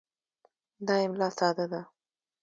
دا املا ساده ده.